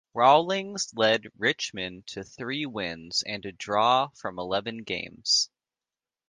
Rawlings led Richmond to three wins and a draw from eleven games.